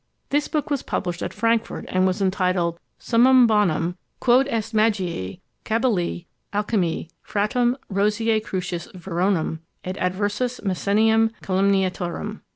This book was published at Frankfort, and was entitled Summum Bonum, quod est Magiæ, Cabalæ, Alchimiæ, Fratrum, Roseæ Crucis verorum, et adversus Mersenium Calumniatorem.